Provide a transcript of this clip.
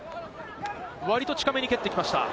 割と近めに蹴ってきました。